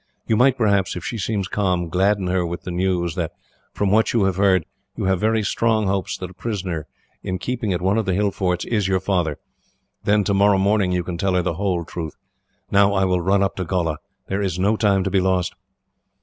You might, perhaps, if she seems calm, gladden her with the news that, from what you have heard, you have very strong hopes that a prisoner in keeping at one of the hill forts is your father. Then, tomorrow morning, you can tell her the whole truth. Now I will run up to Gholla. There is no time to be lost."